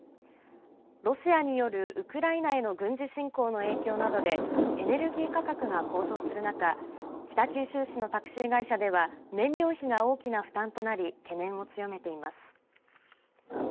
ロシアによるウクライナへの軍事侵攻の影響などでエネルギー価格が高騰する中北九州市のタクシー会社では燃料費が大きな負担となり懸念を強めています。